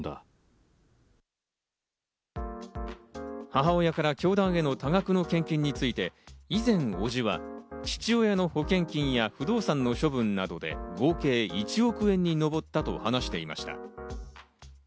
母親から教団への多額の献金について、以前、伯父は父親の保険金や不動産の処分などで合計１億円に上ったと話していました。